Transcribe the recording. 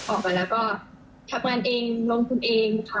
ออกไปแล้วก็ทำงานเองลงทุนเองค่ะ